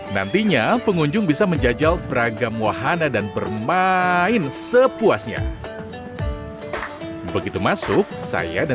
nantinya pengunjung bisa menjajal beragam wahana dan bermain sepuasnya begitu masuk saya dan